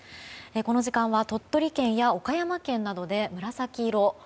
この時間は鳥取県や岡山県などで紫色。